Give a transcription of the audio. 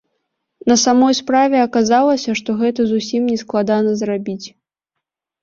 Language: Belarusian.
На самой справе, аказалася, што гэта зусім не складана зрабіць.